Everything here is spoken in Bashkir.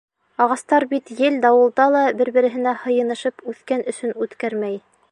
Ағастар бит ел-дауылда ла бер-береһенә һыйынышып үҫкән өсөн үткәрмәй.